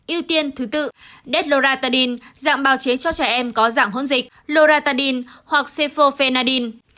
yêu tiên thứ tự detloratadine dạng bào chế cho trẻ em có dạng hôn dịch loratadine hoặc cephofenadine